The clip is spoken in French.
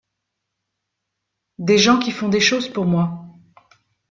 de gens qui font des choses pour moi.